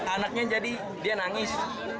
anaknya jadi dia nangis